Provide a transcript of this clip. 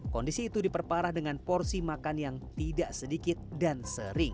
kondisi itu diperparah dengan porsi makan yang tidak sedikit dan sering